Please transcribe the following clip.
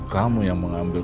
kamu yang mengambil